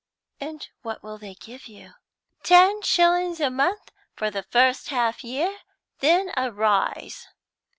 "And what will they give you?" "Ten shillings a month for the first half year; then a rise."